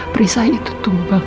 perisai itu tumbang